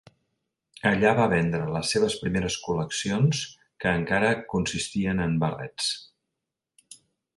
Allà va vendre les seves primeres col·leccions, que encara consistien en barrets.